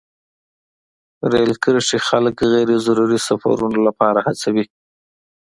رېل کرښې خلک غیر ضروري سفرونو لپاره هڅوي.